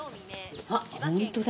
あっ本当だ。